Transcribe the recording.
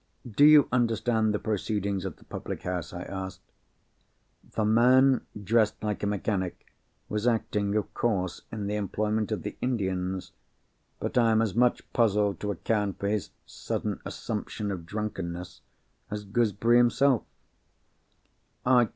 "Do you understand the proceedings at the public house?" I asked. "The man dressed like a mechanic was acting of course in the employment of the Indians. But I am as much puzzled to account for his sudden assumption of drunkenness as Gooseberry himself."